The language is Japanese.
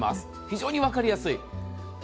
非常に分かりやすい。